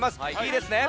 いいですね？